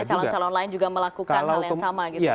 calon calon lain juga melakukan hal yang sama gitu ya